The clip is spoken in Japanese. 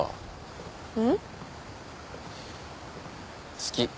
好き。